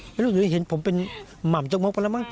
ไม่รู้อยู่ด้วยเห็นผมเป็นหม่ำจกมะโกะละมั้ง